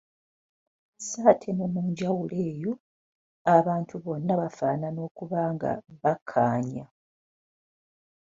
Sso ate ne mu njawulo eyo, abantu bonna bafaanana okuba nga bakkaanya.